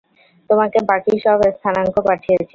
তোমাকে বাকি সব স্থানাঙ্ক পাঠিয়েছি।